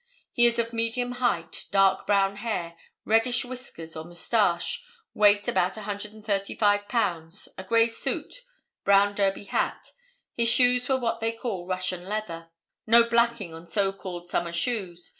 He is of medium height, dark brown hair, reddish whiskers or moustache, weight about 135 pounds, a gray suit, brown derby hat. His shoes were what they call Russian leather. No blacking on so called summer shoes.